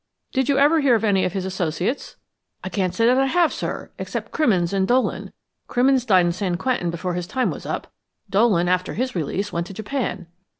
"Did you ever hear of any of his associates?" "I can't say that I have, sir, except Crimmins and Dolan; Crimmins died in San Quentin before his time was up; Dolan after his release went to Japan."